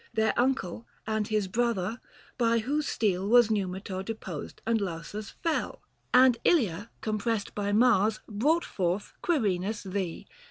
Their uncle and his brother, by whose steel Was Numitor deposed and Lausus fell : And Ilia compressed by Mars brought forth Quirinus Thee